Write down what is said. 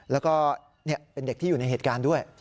แล้วก็เป็นเด็กที่อยู่ในเหตุการณ์ด้วย